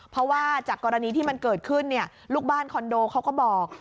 เพราะว่าจากกรณีที่มันเกิดขึ้นลูกบ้านคอนโดเขาก็บอก